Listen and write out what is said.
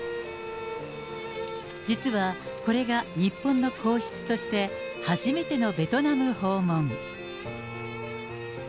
実はこれが日本の皇室として初めてのベトナム訪問。